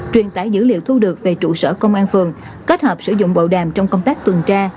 truyền tải dữ liệu thu được về trụ sở công an phường kết hợp sử dụng bầu đàm trong công tác tuần tra